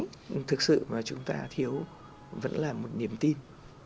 nhưng tôi nghĩ rằng cái thực sự mà chúng ta thiếu vẫn là một niềm tin